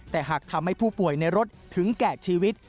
แต่หากทำให้ผู้ป่วยในรถถึงแก่ชีวิต